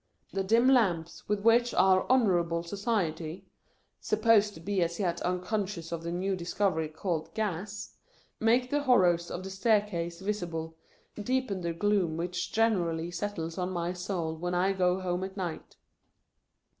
The dim lamps with which our Honourable Society (supposed to be as yet unconscious of the new discovery called Gas) make the horrors of the staircase visible, deepen the gloom which generally settles on my soul when I go home at night.